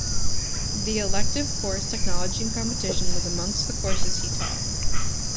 The elective course "Technology and Competition" was amongst the courses he taught.